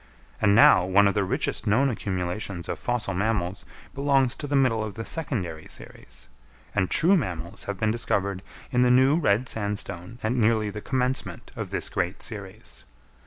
And now one of the richest known accumulations of fossil mammals belongs to the middle of the secondary series; and true mammals have been discovered in the new red sandstone at nearly the commencement of this great series.